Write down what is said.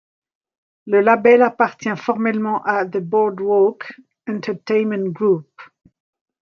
Le label appartient formellement à The Boardwalk Entertainment Group.